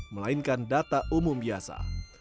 melainkan data umum biasa